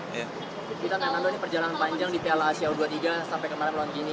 kita menandu ini perjalanan panjang di pla asia u dua puluh tiga sampai kemarin luar gini